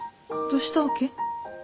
どうしたわけ？